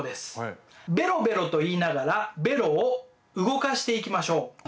「ベロベロ」と言いながらベロを動かしていきましょう。